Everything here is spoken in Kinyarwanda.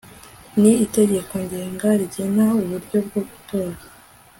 ni itegeko ngenga rigena uburyo bwo gutora